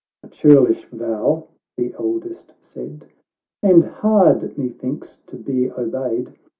"—" A churlish vow," the eldest said, "And hard, methinks, to be obeyed.